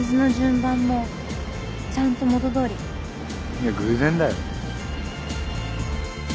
いや偶然だよ。